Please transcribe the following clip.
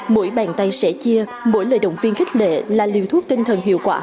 mỗi bàn tay sẽ chia mỗi lời động viên khích lệ là liều thuốc tinh thần hiệu quả